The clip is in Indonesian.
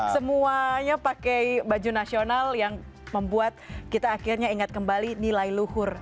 semuanya pakai baju nasional yang membuat kita akhirnya ingat kembali nilai luhur